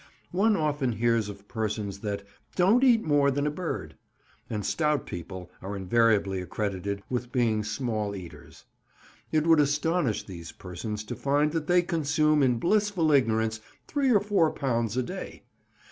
One often hears of persons that "don't eat more than a bird," and stout people are invariably accredited with being small eaters. It would astonish these persons to find that they consume in blissful ignorance three or four pounds a day.